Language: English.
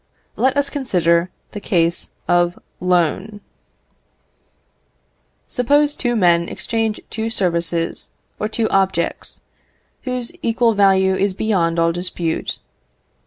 Let us consider the case of loan. Suppose two men exchange two services or two objects, whose equal value is beyond all dispute.